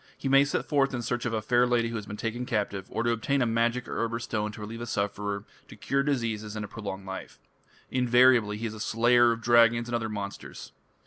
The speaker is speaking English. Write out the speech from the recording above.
He may set forth in search of a fair lady who has been taken captive, or to obtain a magic herb or stone to relieve a sufferer, to cure diseases, and to prolong life. Invariably he is a slayer of dragons and other monsters.